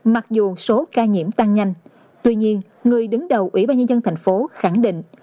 mặc dù số ca nhiễm tăng nhanh tuy nhiên người đứng đầu ủy ban nhân dân thành phố khẳng định